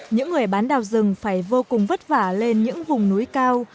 những người bán đào rừng phải vô cùng vất vả lên những vùng núi cao